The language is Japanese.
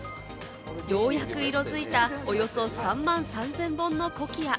ようやく色づいたおよそ３万３０００本のコキア。